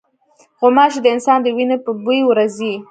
غوماشې د انسان د وینې په بوی ورځي.